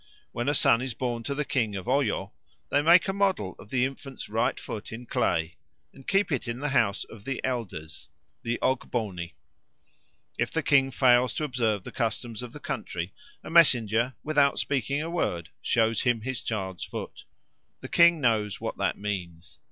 When a son is born to the king of Oyo, they make a model of the infant's right foot in clay and keep it in the house of the elders (ogboni). If the king fails to observe the customs of the country, a messenger, without speaking a word, shows him his child's foot. The king knows what that means.